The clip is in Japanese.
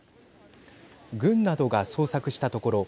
軍などが捜索したところ